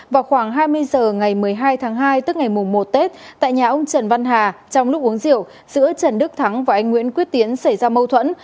vào khoảng hai mươi h ngày một mươi hai tháng hai tức ngày một tết tại nhà ông trần văn hà trong lúc uống rượu giữa trần đức thắng và anh nguyễn quyết tiến xảy ra mâu thuẫn